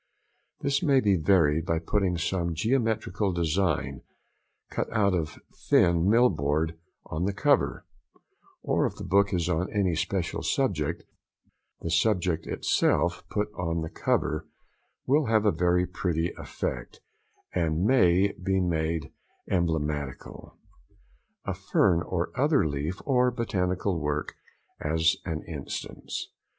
This may be varied by putting some geometrical design, cut out of thin mill board, on the cover; or if the book is on any special subject, the subject itself put on the cover |104| will have a very pretty effect, and may be made emblematical. A fern or other leaf for botanical work as an instance.